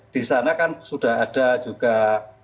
di sana kan sudah ada juga